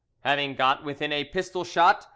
Having got within a pistol shot, M.